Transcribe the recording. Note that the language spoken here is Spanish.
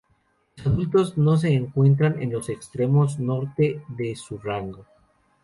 Los adultos no se encuentran en los extremos norte de su rango.